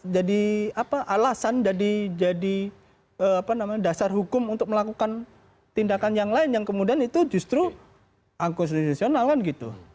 jadi apa alasan jadi jadi apa namanya dasar hukum untuk melakukan tindakan yang lain yang kemudian itu justru angkosresesional kan gitu